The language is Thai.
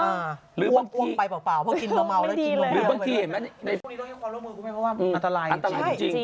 ในโลกนี้ต้องให้ความร่วมมือกูไหมเพราะว่าอันตรายจริง